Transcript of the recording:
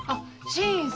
新さん。